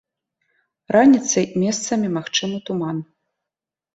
Раніцай месцамі магчымы туман.